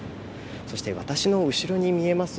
そして、私の後ろに見えます